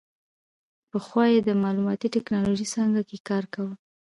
پخوا یې د معلوماتي ټیکنالوژۍ څانګه کې کار کاوه.